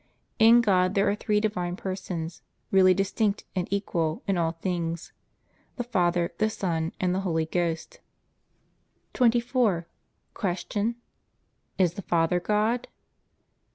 In God there are three Divine Persons, really distinct, and equal in all things the Father, the Son, and the Holy Ghost. 24. Q. Is the Father God?